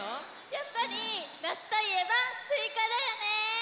やっぱりなつといえばすいかだよね！